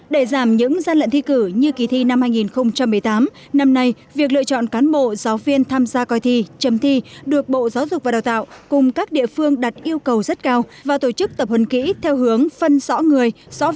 để giảm những gian lận thi cử như kỳ thi năm hai nghìn một mươi tám năm nay việc lựa chọn cán bộ giáo viên tham gia coi thi chấm thi được bộ giáo dục và đào tạo cùng các địa phương đặt yêu cầu rất cao và tổ chức tập huấn kỹ theo hướng phân rõ người